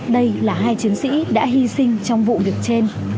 đây là hai chiến sĩ đã hy sinh trong vụ việc trên